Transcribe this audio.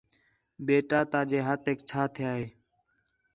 بیٹا تاجے ہتھیک چا تیا ہے؟